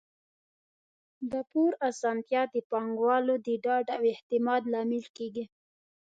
د پور اسانتیا د پانګوالو د ډاډ او اعتماد لامل کیږي.